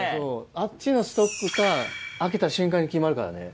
あっちのストックか開けた瞬間に決まるからね。